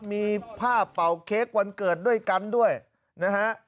มีภาพเป่าเค้กวันเกิดด้วยกันด้วยนะฮะ